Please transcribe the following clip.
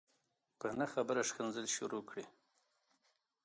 په نه خبره کنځل شروع کړي